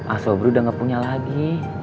asobru udah nggak punya lagi